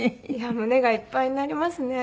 胸がいっぱいになりますね。